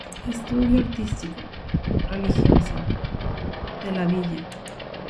Estudio Artístico-Religioso de la Villa.